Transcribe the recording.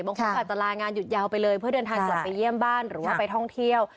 บางคนอาจจะลางานหยุดยาวไปเลยเพื่อเดินทางกลับไปเยี่ยมบ้านหรือว่าไปท่องเที่ยว